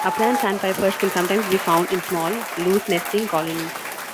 Upland sandpipers can sometimes be found in small, loose nesting colonies.